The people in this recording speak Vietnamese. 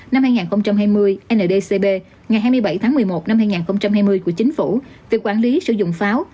năm hai nghìn hai mươi ndcb ngày hai mươi bảy tháng một mươi một năm hai nghìn hai mươi của chính phủ về quản lý sử dụng pháo